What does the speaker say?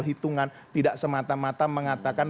hitungan tidak semata mata mengatakan